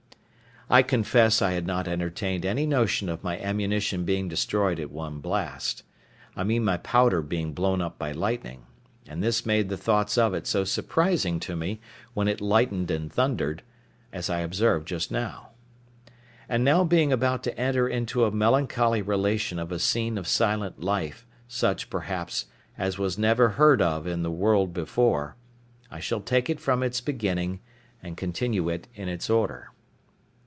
I confess I had not entertained any notion of my ammunition being destroyed at one blast—I mean my powder being blown up by lightning; and this made the thoughts of it so surprising to me, when it lightened and thundered, as I observed just now. And now being about to enter into a melancholy relation of a scene of silent life, such, perhaps, as was never heard of in the world before, I shall take it from its beginning, and continue it in its order.